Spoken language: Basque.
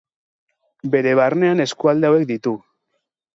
Bere barnean eskualde hauek ditu.